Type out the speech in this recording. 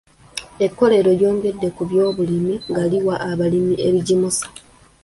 Ekkolero lyongedde ku byobulimi nga liwa abalimi ebigimusa.